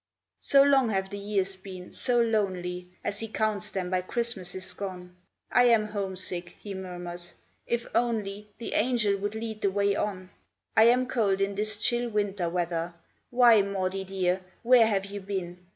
So long have the years been, so lonely, As he counts them by Christmases gone. "I am homesick," he murmurs; "if only The Angel would lead the way on. I am cold, in this chill winter weather; Why, Maudie, dear, where have you been?